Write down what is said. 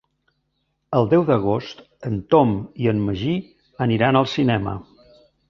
El deu d'agost en Tom i en Magí aniran al cinema.